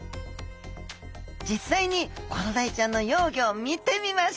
実際にコロダイちゃんの幼魚を見てみましょう！